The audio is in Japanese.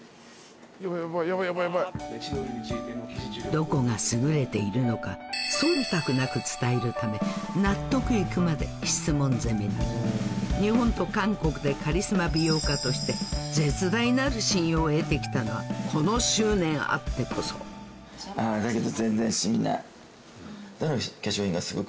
どこが優れているのか忖度なく伝えるため納得いくまで質問攻めに日本と韓国でカリスマ美容家として絶大なる信用を得てきたのはこの執念あってこそ私はちょっと。